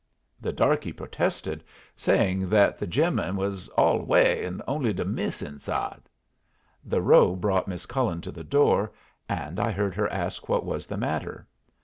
The darky protested, saying that the "gentmun was all away, and only de miss inside." The row brought Miss Cullen to the door, and I heard her ask what was the matter.